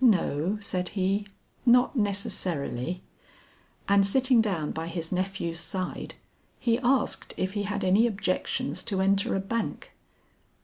"No," said he, "not necessarily." And sitting down by his nephew's side, he asked if he had any objections to enter a bank.